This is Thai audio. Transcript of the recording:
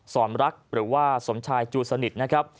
สอนรักหรือว่าสมชายจูสนิทนะครับ